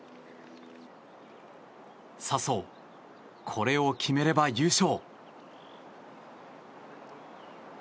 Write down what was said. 笹生、これを決めれば優勝。